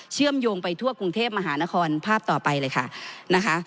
เชื่อมโยงไปทั่วกรุงเทพมหานครภาพต่อไปเลยค่ะนะคะ